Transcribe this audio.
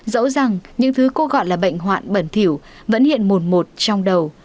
dẫu rằng những thứ cô gọi là bệnh hoạn bẩn thiểu vẫn hiện mùn một trong đầu